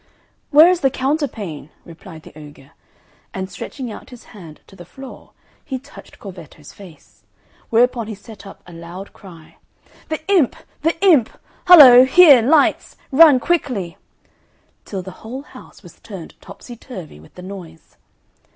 "Where is the counterpane?" replied the ogre; and stretching out his hand to the floor he touched Corvetto's face; whereupon he set up a loud cry, "The imp! the imp! Hollo, here, lights! Run quickly!" till the whole house was turned topsy turvy with the noise.